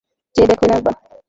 চেয়ে দেখোই না একবার?